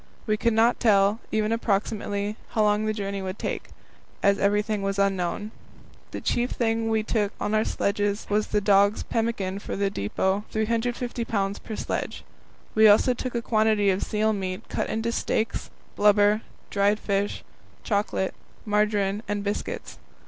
We could not tell, even approximately, how long the journey would take, as everything was unknown. The chief thing we took on our sledges was dogs' pemmican for the depot, 350 pounds per sledge. We also took a quantity of seal meat cut into steaks, blubber, dried fish, chocolate, margarine, and biscuits.